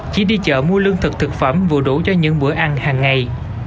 chỉ đi chợ mua lương thực thực phẩm vừa đủ cho những bữa ăn hàng ngày